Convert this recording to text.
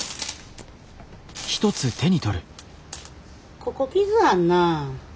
ここ傷あんな。